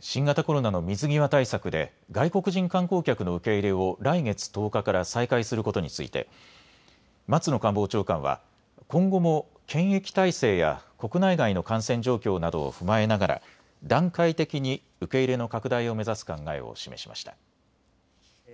新型コロナの水際対策で外国人観光客の受け入れを来月１０日から再開することについて松野官房長官は今後も検疫体制や国内外の感染状況などを踏まえながら段階的に受け入れの拡大を目指す考えを示しました。